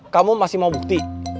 kamu masih mau bukti